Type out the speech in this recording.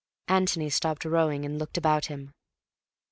Antony stopped rowing and looked about him.